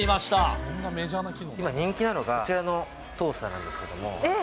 今人気なのが、こちらのトースターなんですけども。